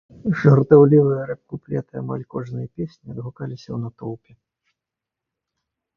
Жартаўлівыя рэп-куплеты амаль кожнай песні адгукаліся ў натоўпе.